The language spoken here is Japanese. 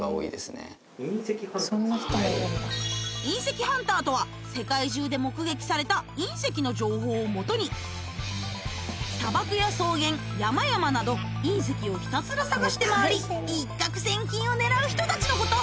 はい隕石ハンターとは世界中で目撃された隕石の情報をもとに砂漠や草原山々など隕石をひたすら探してまわり一獲千金を狙う人たちのこと